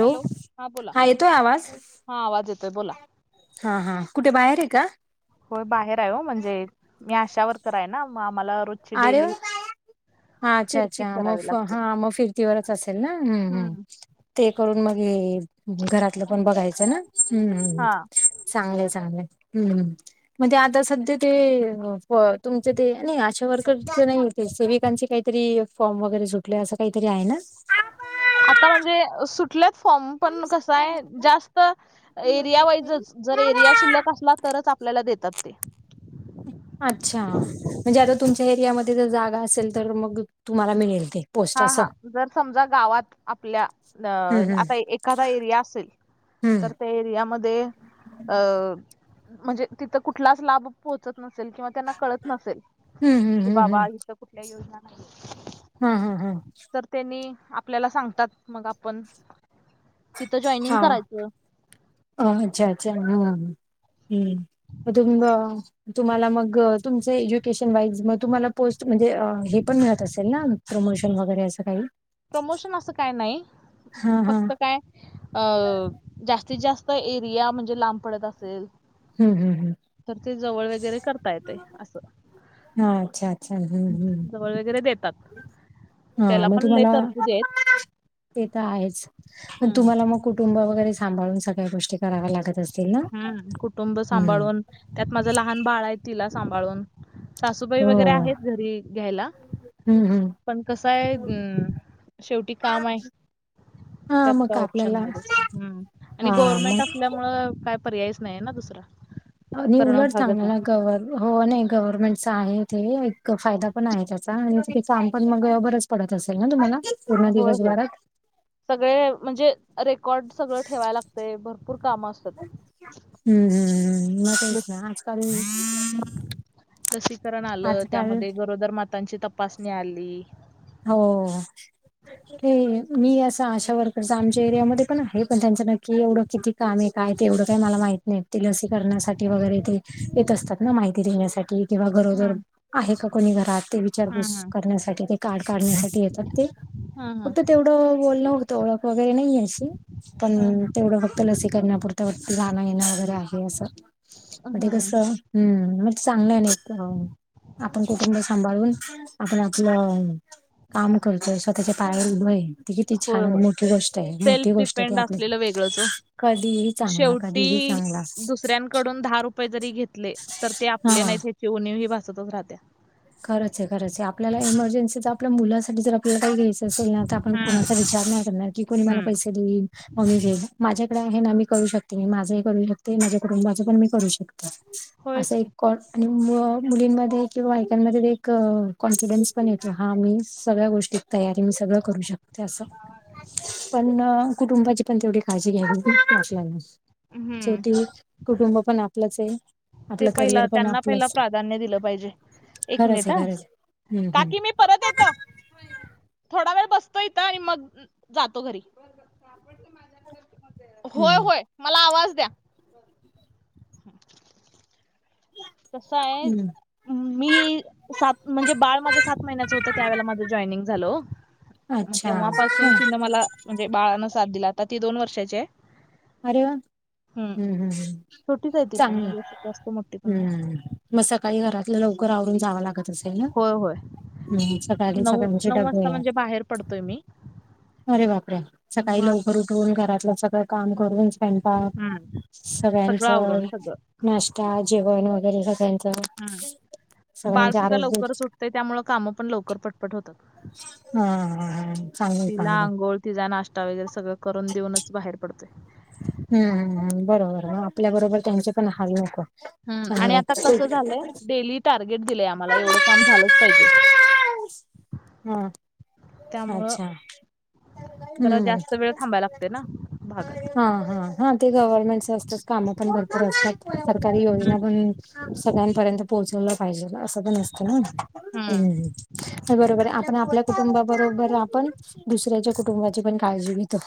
Hello? हा बोला, येतोय आवाज हा आवाज येतोय बोला. हा हा, कुठे बाहेर आहे का? होय बाहेर आहे हो म्हणजे, मी आशा वर्कर आहे ना म आम्हाला रोजची अरे वा डेली हा अच्छा फिरती अच्छा मग करावी लागते. हा मग फिरतीवरच असेल ना, हम्म हम. ते करून मग हे हि, घरातलं पण बघायचं ना ह्म ह्म. हा चांगलय चांगलय ह्म म्हणजे आता सध्या ते तुमच ते नहीं अश वर्करचे नाही ते सेविकांचे काहीतरी फॉर्म, वगैरे सुटले असं काहीतरी आहे ना? आता म्हणजे सु कुठल्या फॉर्म पण कस आहे, जास्त एरिया वाईजच जर एरिया शिल्लक असला तरच आपल्याला देतात ते. अच्छा म्हणजे आता तुमच्या एरियामध्ये जर जागा असेल, तर मग तुम्हाला मिळेल ते? पोस्ट हा असं हा जर समजा गावात, आपल्या अ हम्म आता एखादा एरिया असेल हम्म तर त्या एरियामध्ये, अं म्हणजे तिथं कुठलाच लाभ पोहोचत नसेल किंवा त्यांना कळत नसेल. हम् हम. कि बाबा इथं कुठल्याही योजना नाही. ह्म ह्म ह्म. तर त्यांनी आपल्याला सांगतात, मग आपण तिथं जॉईनिंग हा करायचं. अ अच्छा-अच्छा, हं ह्म हम्म मग तुंग तुम्हाला मग तुमच एज्युकेशन वाईज, मग तुम्हाला पोस्ट म्हणजे हे पण मिळत असेल ना? प्रमोशन वगैरे असं काही? प्रमोशन असं काय नाही, हा हा फक्त काय अ जास्तीत जास्त एरिया म्हणजे लांब पडत असेल हम् हम् हम्. तर ते जवळ वगैरे करता येते असं. हा, अच्छा अच्छा हम् हम् जवळ वगैरे देतात हा, त्याला मग पण लय तुम्हाला तरतुदी आहेत ते तर आहेच, पन हम्म तुम्हाला मग कुटुंब वगैरे सांभाळून, सगळ्या गोष्टी करा्व्या लागत असतील? ना? हा हं कुटुंब हम्म सांभाळून, त्यात माझं लहान बाळ आहे तिला सांभाळून सासूबाई हो वगैरे आहेत घरी घ्यायला. हम्म हम्म पण कस आहे अं शेवटी काम आहे. हा त्यात काय मग ऑप्शन आपल्याला नाही तसा ह् आणि हा गव्हर्मेंट मग असल्यामुळ तर काय पर्यायच नाही ना दुसरा. आणि करणं उलट भागच चांगल आहे. हाय गव्हमें हो नाही गव्हर्नमेंटचा आहे ते एक फायदा पण आहे त्याचा आणि काम पण मग बरच पडत असेल ना तुम्हाला? पूर्ण होय होय दिवसभरात [inaudible] सगळे म्हणजे रेकॉर्डस सगळं ठेवाय लागतय भरपूर कामं असतात. हम्म हम्म हम् म तेच ना आजकाल लसीकरण आलं, आजकाल त्यामध्ये गरोदर मातांची तपासणी आली. हो ते मी असं आशा वर्कर्स आमच्या एरियामध्ये पण आहेत. पण त्यांचं नक्की एवढं किती काम आहे काय ते एवढं काही मला माहित नाही ते लसीकरणासाठी वगैरे ते येत असतात ना माहिती देेण्यासाठी. किंवा गरोदर हा आहे का कोणी घरात ते हा विचारपूस हा करण्यासाठी कार्ड काढण्यासाठी येतात ते हा हा फक्त तेवढं बोलणं होतं ओळख वगैरे नाही आहे अशी. हा पण हा तेवढं फक्त लसीकरणापुरत वरती जाणं- येणं वगैरे आहे असं. [inaudible] म ते हम्म कसं हम्म म चांगलं आहे ना एक आपण कुटुंब सांभाळून आपण आपलं काम करतोय, स्वतःच्या पायावर उभंय. ती किती होय छान आणि होय मोठी गोष्ट आहे मोठी सेल्फ गोष्ट ती डिपेंड आपल्या असलेलं वेगळंच ओ [inaudible] कधी ही शेवटी दुसऱ्यांकडून दहा रुपये जरी घेतले, तर ते आपले हा नाहीत हे ती उणीव ही भासतच राहत्या. खरंच आहे, खरंच आहे आपल्याला इमर्जन्सीचं आपल्या मुलासाठी जर आपल्याला काही जर आपण कुणाचा हम्म विचार नाही करणार की, कोणी मला हम्म पैसे देतीलच. मग मीे माझ्याकडे आहे ना मी करू शकते मी माझं ही करू शकते माझ्या कुटुंबाचं पण मी करू शकते. होयच असं एक की कॉट म-मुलींमध्ये किंवा त्यांमध्ये एक कॉन्फिडन्स पण येतो हा मी सगळ्या गोष्टीत तयार आहे. मी सगळं करू शकते असं. पण कुटुंबाची पण तेवढी काळजी घ्यावी अशी माझी [unintelligible] हम्म शेवटी कुटुंब पण आपलंच आहे. ते आपलं पहिला करिअर पण त्यांना पहिला आपलंच. आहे. प्राधान्य दिलं पाहिजे. एक खरंच मिनिट आहे, हा खरंच आहे हम्म, हम्म. काकी मी परत येतो. थोडा वेळ बसतो इथं आणि मग जातो घरी. [inaudible] होय, हम्म, होय मला आवाज द्या. कस हाय? हम्म. मी सात म्हणजे बाळ माझं सात महिन्याचं होतं त्यावेेळेला माझं जॉईनिंग झालं ओ. म अच्छा तेव्हापासून अच्छा. तिनं मला म्हणजे बाळानं साथ दिल आता ती दोन वर्षाची आहे. अरे वा! हम्म हम्म हमम्म छोटीच आहे ती पण चांगलं म्हणजे असं जास्त मोठी पण नाही हम्म. मग सकाळी घरातलं लवकर आवरून जावं लागत. लागतं असेल ना होय होय [inaudible] म सकाळ चे नऊ सगळ्यांचे नऊ वाजता डबे. म्हणजे बाहेर पडतोय मी अरे बापरे! मग सकाळी आत- लवकर उठून घरातलं सगळं काम करून स्वयं पाक हम्म. सगळं आवरून सगळ्यांचं सगळं नाश्ता, जेवण वगैरे सगळ्यांचं हा बाळ सगळ्यांच्या सुुद्धा आरोग्य लवकरच उठतय त्यामुळ कामं पण लवकर पटपट होतात. हम् ह ह चांगल आहे तिला चांगल ये आंघोळ तिचा नाश्ता वगैरे सगळं करून देऊनच बाहेर पडतोय. हम् हम्म हम्म बरोबर मग आपल्या बरोबर त्यांचे पण हाल नको. हम् आणि चांगले आता कसं झालंय, डेली टार्गेट दिलंय आम्हाला एवढं काम झालंच पाहिजे. पाऊस ह [inaudible] त्यामुळं पावसाळा जरा जास्त वेळ थांबायला लागते ना भागात. हा हा हा ते गव्हर्नमेंटच असतात कामं पण भरपूर, असतात सरकारी हम्म योजना पण सगळ्यांपर्यंत पोहोचवलं पाहिजे असं, तर नसतं. हम्म. ना्. बरोबर आपण आपल्या कुटुंबाबरोबर आपण. दुसऱ्याच्या कुटुंबाची पण काळजी घेतो.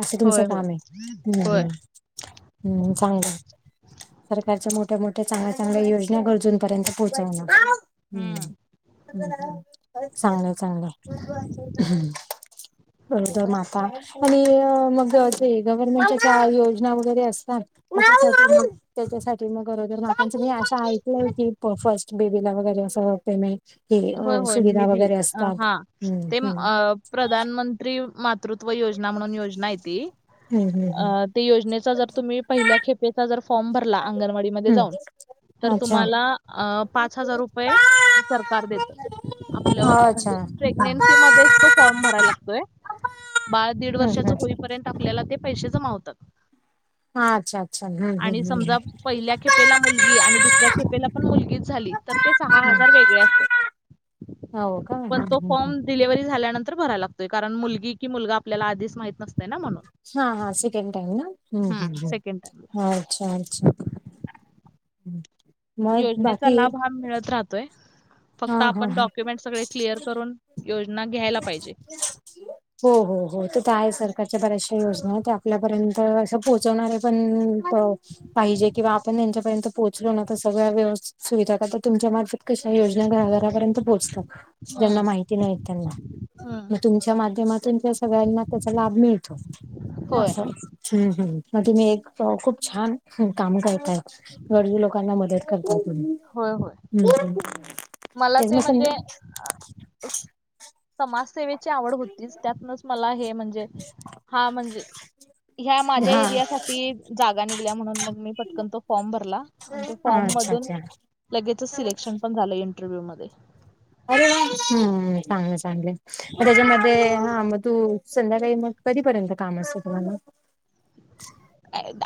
असं. तुमचं होय होय काम आहे. होय हम् चण [unintelligible] सरकारच्या मोठ्या मोठ्या चांगल्या चांगल्या योजना गरजूंपर्यंत पोहोचवण. हम्म [unintelligible] चांगलंय चांगलंय ह. बद म माता आणिअ अ मग ते े का योजना वगैरे, असतात माऊ माऊ त्याच्यासाठी मग अरोदर माताचं मी असं ऐकलं, आहे की फर्स्ट बेबीला वगैरे असं होते नय. हे होय होय सुविधा निधी वगैरे अ, असतात हा हम्म ते हम्. अ, प्रधानमंत्री मातृत्व योजना म्हणून योजना य ती हम्म हम्म हम्म अ. ते योजनेचा जर तुम्ही पहिल्या खेपेचा जर, फॉर्म भरला अंगणवाडी मध्ये जाऊन. हम्म अच्छा द [inaudible] आपलं अच्छा म्हणजे हम्म प्रेग्नेन्सी मध्येचं, तो फॉर्म भरायला लागतोय. बाळ दीड हम्म वर्षाच हम्म होईपर्यंत, आपल्याला ते पैसे जमावतात. हा अच्छा अच्छा हम्. आणि समजा पहिल्या खेपेला मुलगी आणि दुसऱ्या खेपेला पण मुलगीच झाली तर ते सहा हजार वेगळे् असता. हो का [unintelligible] हा पण हा तो हा फॉर्म डिलेवर्ह झाल्यानंतर भराय लातोय. कारण, मुलगी की मुलगा आपल्याला आीच माहत नसो. हा हा सेकेन टाम ना, हम् म्हणून सेकंड टाइमला ह् अच्छा अच्छा. हम्म [unintelligible] [inaudible] योजनेचा लाभ हा मिळत राहतोय हा फक्त हा आपण हा डॉक्युमेंट सगळे क्लिअर करून योजना. पाहिजे [unintelligible] हो हो हो तर तर आहे सरकारच्या बऱ्याचशा योजना ते आपल्यापर्यंत असं पोहोचवणारे पण पाहिजे किंवा आपण, त्यांच्यापर्यंत पोहोचलो ना तर, सगळ्या व्यव सुविधा करतात. नाहीतर तुमच्या मार्फत. कशा योजना घराघरापर्यंत पोहोचतात त्यांना, माहिती नाही त्यांना. मग तुमच्या माध्यमातून त्या सगळ्यांना त्याचा, लाभ मिळतो होय असं. हम्म हम् मग तुम्ही, एक खूप छान काम करताय. गरजू लोकांना मदत. कप होय होय हम् [unintelligible] मला ते म्हणजे, समाजसेवेची. आवड होती त्यातनच मला हे म्हणजे हा म्हणजे ह्या माझ्या एरिया हा साठी जागा निघल्या म्हणून मग मी पटकन तो फॉर्म भरला. आणि ते फॉर्म अच्छा मधून अच्छा लगेचच सिलेक्शन पण झालं इंटरव्ह्यू मध्ये अरे हम् चांगलं चांगले म त्याच्यामध्ये हा मग तू संध्याकाळी मग कधीपर्यंत काम असतं तुम्हाला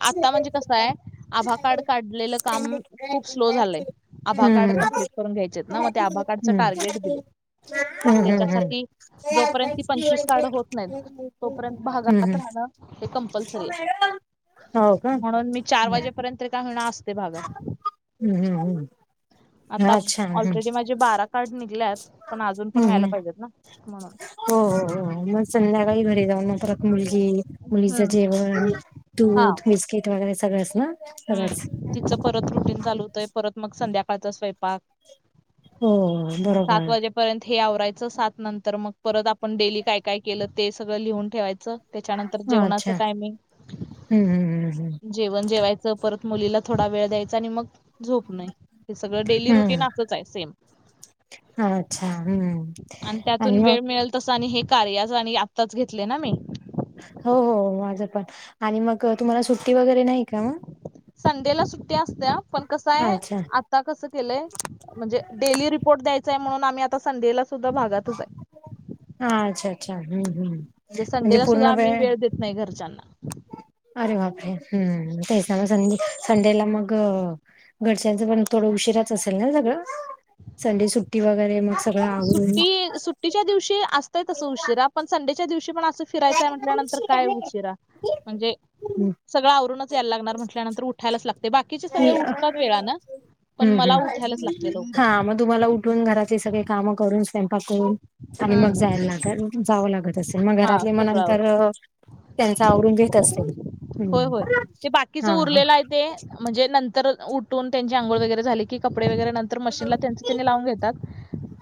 आता म्हणजे कस आहे आभा कार्ड काढलेलं काम खूप स्लो झालंय. आभा कार्ड हम्म कम्प्लीट करून घ्यायचे आहेत ना मग त्या आभा कार्डच हम्म टार्गेट दिले. हम्म हम्म हम्म त्याच्यासाठी जोपर्यंत ती पंचवीस कारढ होत नाहीत तोपर्यंत भागात राहणं. हे कंपल्सरी ह. हो का म्हणून मी चार हम् वाजेपर्यंत काय होणार असते भागात हम्म हम्म. ह. आता ऑलरेडी माझे बारा कार्ड निघले आहेत पण अजून पण हम्म व्हायला हम्म पाहिजेत ना. म्हणून हो हो मग संध्याकाळी घरी जाऊन ना परत मुलगी मुलीचं हम्म जेवण हा दूध बिस्किट वगैरे सगळंच ना. सगळंच हम्म तिचं परत रुटीन चालू होतंय परत मग संध्याकाळचा स्वयंपाक हो ह सात बरोबर वाजे पर्यंत हे आवरायचं सात नंतर मग परत आपण डेली काय काय केलं ते सगं लिहून ठेवायचं. त्याच्यानंतर जेवणाच अच्छा टायमिंग हम्म हम्म हम्म जेवण जेवायचं परत मुलीला थोडा वेळ द्यायचा आणि मग झोप नाही, हे सगळं डेली हम्म रुटीन असंच आहे सेम. अच्छा हम्म आणि त्यातून मग? वेळ मिळेल तसं आणि हे कार्याचं आणि आत्ताच घेतले ना मी हो हो माझं पण आणि मग तुम्हाला सुट्टी वगैरे नाही का मग? संडे ला सुट्टी असते पण कस आहे अच्छा आता कस केलय म्हणजे डेली रिपोर्ट द्यायचाय म्हणून आता आम्ही संडेला सुध्दा भागातच आहे, हा अच्छा अच्छा हम्म हम्म म्हणजे म्हणजे संडेला सुद्धा पूर्ण आम्ही वेळ देत नाही घरचांना अरे बापरे हम्म तेच ना संडे संडेला मग घरच्यांच पण थोडं उशीराच असेल ना सगळं संडे सुट्टी वगैरे मग सगळं आवरून सुट्टी सुट्टीच्या दिवशी असतय असं उशिरा पण, संडेच्या दिवशी पण अस फिरायचाय म्हटल्यानंतर काय उशिरा म्हणजे हम्म सगळं आवरूनच यायला लागणार म्हटल्यानंतर उ उठायलाच लागतय, बाकीचे सगळे उठतात वेळानं पण, हम्म मला हम्म. उठायलाच लागतय हा लवकर. मग तुम्हाला उठून घराचे सगळे कामं करून स्वयंपाक करून आणि मग हम्म. जायला लाग, जावं लागत असेल मग हा घरातली मग सगळं आवरून नंतर त्यांच आवरून घेत असतील. हो हम्म होय, ते बाकीच हां, हां. उरलेलं आहे ते म्हणजे नंतर उ ठुन त्यांची आंघोळ वगैरे झाली की, कपडे वगैरे नंतर मशीनला त्यांच तेनी लावून घेतात,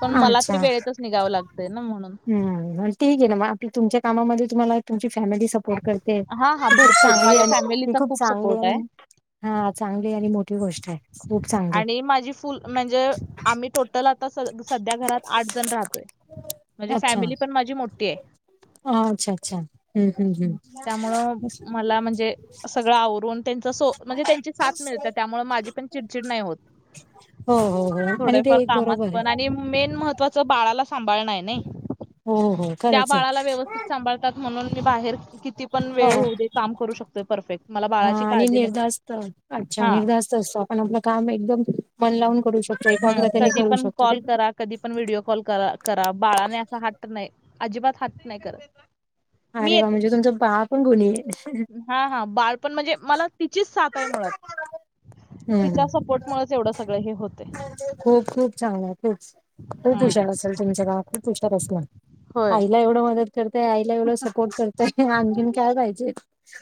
पण मला तरी वेळेत निघावं लागतय ना म्हणून. हम्म, ठीक आहे ना मग आपली तुमच्या कामा तुम्हाला तुमची फॅमिलीच सपोर्ट करते, हा हा ती खूप भरपूर चांगली माझ्या ही फॅमिलीचा खूप चांगली सपोर्ट आहे. आणि हा चांगली आणि मोठी गोष्ट आहे. खूप चांगली. आणि माझी फुल म्हणजे आम्ही टोटल आता सध्या घरात आठ जण राहतोय. म्हणजे फॅमिली पण माझी मोठी आहे. अ अच्छा अच्छा. हं, हं, हं. त्यामुळं मला म्हणजे सगळं आवरून त्यांच सो म्हणजे त्यांची साथ मिळत्या, त्यामुळे माझी पण चिडचिड नाही होत. हो, हो, हो. आणि ते थोडेफार एक कामात बरोबर आहे. पण आणि मेन महत्वाच बाळाला सांभाळ नाही हो, हो. त्या खरंच आहे. बाळाला व्यवस्थित सांभाळतात म्हणून मी बाहेर किती पण हो. वेळ होऊ दे काम करू शकतो परफेक्ट, मला हां बाळाची आणि काळजी नसते. निर्धास्त अच्छा हा निर्धास्त असतो आपण आपलं काम एकदम मन लावून करू शकतो, हम्म एकाग्रतेने कधी करू पण शकतो. ते कॉल करा कधी पण व्हिडिओ कॉल करा करा बाळाने असा हट नाही, अजिबात हाट्ट नाही करत मी अरे वा येते म्हणजे तुमचं बा पण गुणी आहे. हां, हां. बाळपण म्हणजे मला तिचीच साथ आहे मुळात. हं. तिच्या सपोर्ट मुळच एवढं सगळं हे होतय. खूप खूप चांगलं आहे तेच. खूप हं. हुशार असेल तुमच का खूप हुशार असल होय. आईला एवढं मदत करतय आईला एवढं सपोर्ट करतय, आणखीन काय पाहिजे?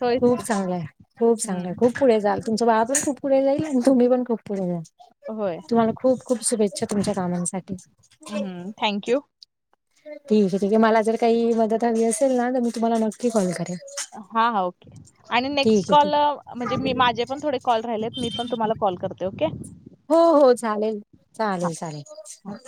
होयच खूप की. चांगलंय, खूप हं. चांगलंय खूप पुढे जाल. तुमच बाळपण खूप पुढे जाईल आणि तुम्ही पण खूप पुढे जाल. होय. तुम्हाला खूप खूप शुभेच्छा तुमच्या कामांसाठी. हं. Thank you. ठीक आहे ठीक आहे, मला जर काही मदत हवी असेल ना तर मी तुम्हाला नक्की कॉल करेन. हा हा ओके आणि ठीक नेक्स्ट आहे ठीक कॉल म्हणजे मी माझे पण थोडे कॉल राहिलेत, मी पण तुम्हाला कल करते ओके. हो हो चालेल हां. चालेल चालेल.